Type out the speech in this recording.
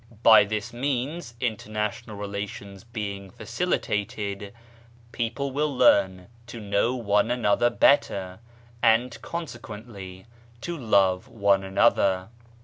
By this means, international relations being facilitated, people will learn to know one another 117 118 BAHAISM better, and consequently to love one another.